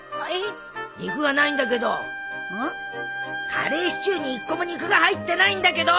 カレーシチューに１個も肉が入ってないんだけど！